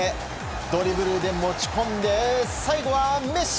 ドリブルで持ち込んで最後はメッシ！